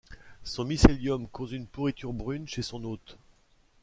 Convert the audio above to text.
Son mycélium cause une pourriture brune chez son hôte.